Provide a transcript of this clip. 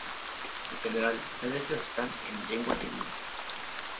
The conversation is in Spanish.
En general, las letras están en lengua yoruba.